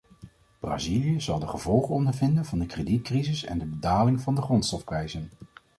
Brazilië zal de gevolgen ondervinden van de kredietcrisis en de daling van de grondstofprijzen.